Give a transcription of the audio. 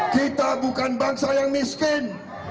kita bukan bangsa yang miskin